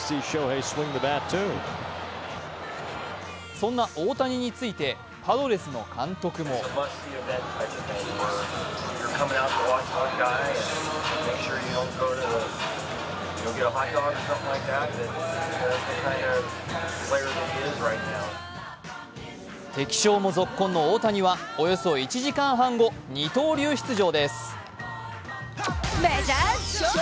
そんな大谷についてパドレスの監督も敵将もぞっこんの大谷はおよそ１時間半後、二刀流出場です。